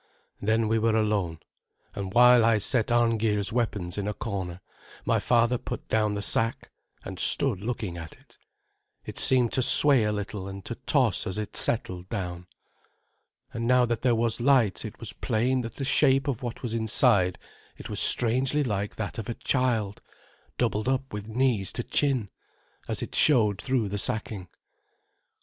Then we were alone, and while I set Arngeir's weapons in a corner, my father put down the sack, and stood looking at it. It seemed to sway a little, and to toss as it settled down. And now that there was light it was plain that the shape of what was inside it was strangely like that of a child, doubled up with knees to chin, as it showed through the sacking.